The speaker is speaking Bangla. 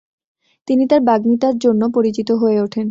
তিনি তার বাগ্মিতার জন্য পরিচিত হয়ে ওঠেন।